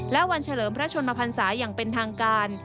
และวันเฉลิมพระชนมพันศาอย่างเป็นทางการ